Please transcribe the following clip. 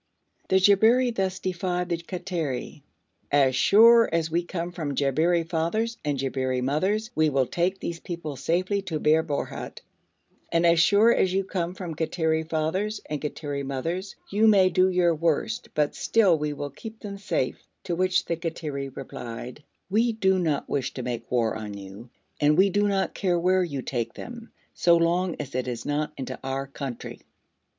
The Jabberi thus defied the Kattiri: 'As sure as we come from Jabberi fathers and Jabberi mothers, we will take these people safely to Bir Borhut; and as sure as you come from Kattiri fathers and Kattiri mothers, you may do your worst but still we will keep them safe'; to which the Kattiri replied: 'We do not wish to make war on you, and we do not care where you take them so long as it is not into our country.'